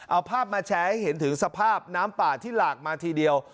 เอาภาพมาแชร์ให้เห็นถึงสภาพน้ำป่าที่หลากมาทีเดียว